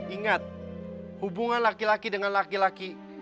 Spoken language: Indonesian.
ingat hubungan laki laki dengan laki laki